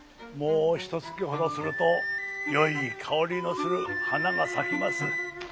もうひと月ほどするとよい香りのする花が咲きます。